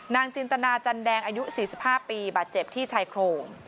จินตนาจันแดงอายุ๔๕ปีบาดเจ็บที่ชายโครง